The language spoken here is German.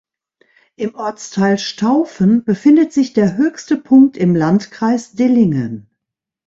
Im Ortsteil Staufen befindet sich der höchste Punkt im Landkreis Dillingen.